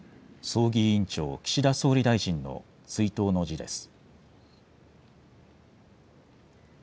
葬儀委員長、岸田総理大臣の追悼の辞です。